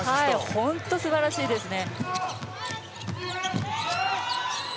本当に素晴らしいですね。